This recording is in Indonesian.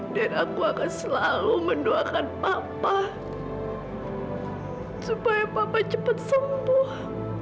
selalu mendoakan papa supaya papa cepat sembuh